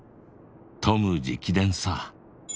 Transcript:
トム直伝さ。